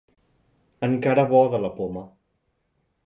Encara bo de la poma.